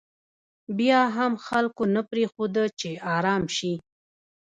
بیا هم خلکو نه پرېښوده چې ارام شي.